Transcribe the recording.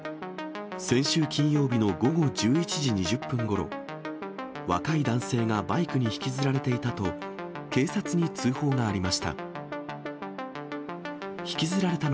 先週金曜日の午後１１時２０分ごろ、若い男性がバイクに引きずられていたと、警察に通報がありました。